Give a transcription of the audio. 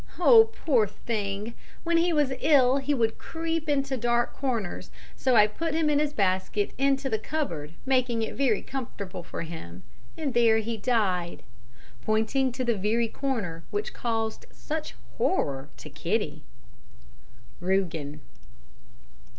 "Oh, poor thing, when he was ill, he would creep into dark corners, so I put him in his basket into the cupboard, making it very comfortable for him, and there he died" pointing to the very corner which caused such horror to Kitty. "RÜGEN."